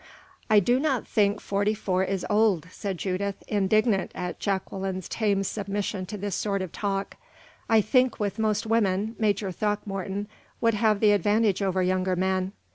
"I do not think forty four is old," said Judith, indignant at Jacqueline's tame submission to this sort of talk. "I think, with most women, Major Throckmorton would have the advantage over younger men."